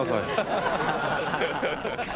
ハハハッ。